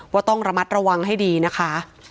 ต้องระมัดระวังให้ดีนะคะ